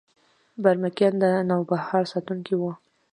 برمکیان د نوبهار ساتونکي وو